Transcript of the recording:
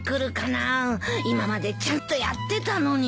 今までちゃんとやってたのに。